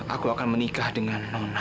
aku akan menikah dengan